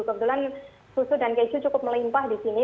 kebetulan susu dan keju cukup melimpah disini